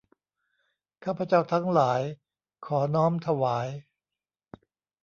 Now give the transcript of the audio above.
ข้าพเจ้าทั้งหลาย ขอน้อมถวาย